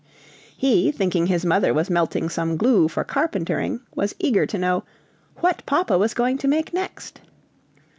He, thinking his mother was melting some glue for carpentering, was eager to know "what papa was going to make next?"